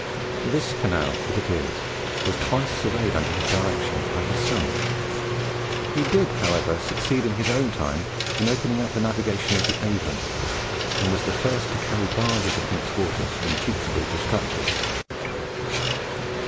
This canal, it appears, was twice surveyed under his direction by his son. He did, however, succeed in his own time in opening up the navigation of the Avon, and was the first to carry barges upon its waters from Tewkesbury to Stratford.